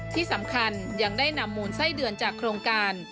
ที่สำคัญยังได้นำมูลไส้เดือนจากโครงการ